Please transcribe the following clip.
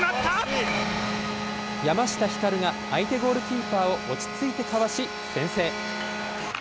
山下光が、相手ゴールキーパーを落ち着いてかわし、先制。